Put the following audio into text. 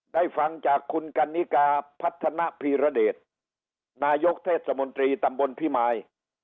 ฟังจากคุณกันนิกาพัฒนภีรเดชนายกเทศมนตรีตำบลพิมาย